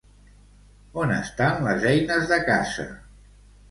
On estan les eines de caça?